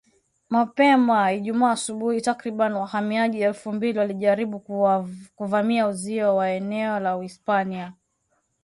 Mapema Ijumaa asubuhi takribani wahamiaji elfu mbili walijaribu kuvamia uzio wa eneo la Uhispania